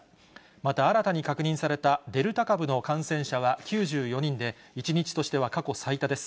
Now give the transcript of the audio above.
また新たに確認されたデルタ株の感染者は９４人で、１日としては過去最多です。